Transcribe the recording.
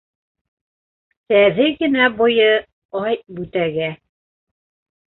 Сәҙе генә буйы, ай, бүтәгә